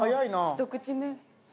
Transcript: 一口目。